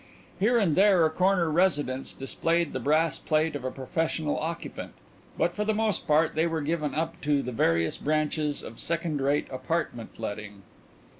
Here and there a corner residence displayed the brass plate of a professional occupant, but for the most part they were given up to the various branches of second rate apartment letting.